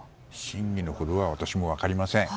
真偽のほどは私も分かりません。